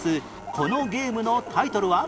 このゲームのタイトルは？